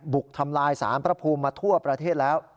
ทำลายสารพระภูมิมาทั่วประเทศแล้ว